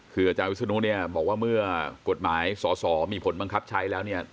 คืออาจารย์วิศนุเนี่ยบอกว่าเมื่อกฎหมายสอสอมีผลบังคับใช้แล้วเนี่ย